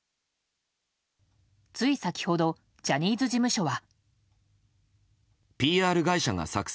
つい先ほどジャニーズ事務所は。